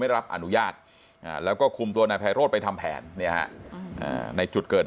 รับอนุญาตแล้วก็คุมตัวนายไพโรธไปทำแผนในจุดเกิด